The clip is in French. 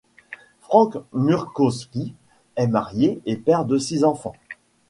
Frank Murkowski est marié et père de six enfants.